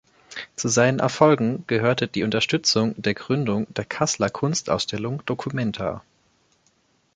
Zu seinen Erfolgen gehörte die Unterstützung der Gründung der Kasseler Kunstausstellung documenta.